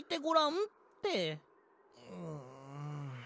うん。